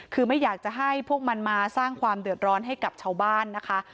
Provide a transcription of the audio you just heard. คือไม่อยากจะให้พวกมันมาสร้างความเดือดร้อนให้กับชาวบ้านนะคะ